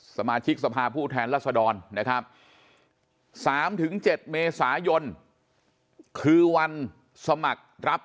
สมาชิกสภาผู้แทนรัศดรนะครับ๓๗เมษายนคือวันสมัครรับ